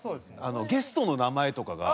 ゲストの名前とかが。